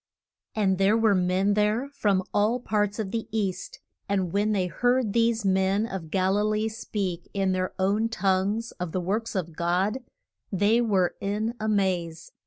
And there were men there from all parts of the East, and when they heard these men of Gal i lee speak in their own tongues of the works of God, they were in a maze.